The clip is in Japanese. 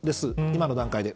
今の段階で。